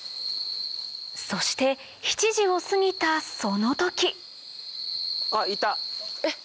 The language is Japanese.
そして７時を過ぎたその時え？